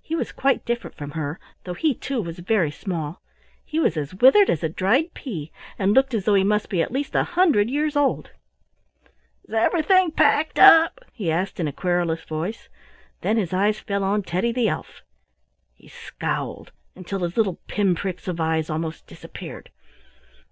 He was quite different from her, though he, too, was very small. He was as withered as a dried pea, and looked as though he must be at least a hundred years old. "Is everything packed up?" he asked in a querulous voice. Then his eyes fell on Teddy the elf. He scowled until his little pin pricks of eyes almost disappeared.